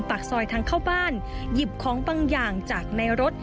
ปากซอยทางเข้าบ้านหยิบของบางอย่างจากในรถ